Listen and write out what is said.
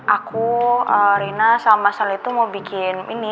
aku rina sama mbak sal itu mau bikin ini